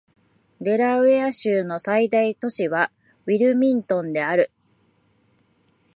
デラウェア州の最大都市はウィルミントンである